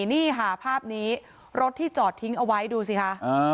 นี่ค่ะภาพนี้รถที่จอดทิ้งเอาไว้ดูสิคะ